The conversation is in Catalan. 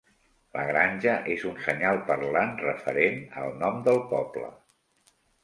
La granja és un senyal parlant referent al nom del poble.